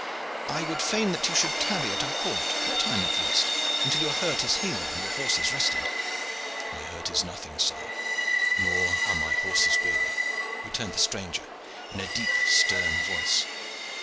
I would fain that you should tarry at our court, for a time at least, until your hurt is healed and your horses rested." "My hurt is nothing, sire, nor are my horses weary," returned the stranger in a deep, stern voice.